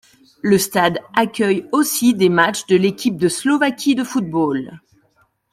Le stade accueille aussi des matchs de l'équipe de Slovaquie de football.